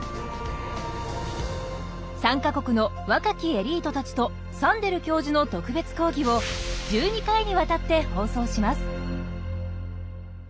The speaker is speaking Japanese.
３か国の若きエリートたちとサンデル教授の特別講義を１２回にわたって放送します。